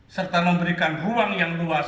serta memberikan ruang yang luas